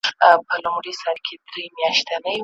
ماچي سکروټي په غاښو چیچلې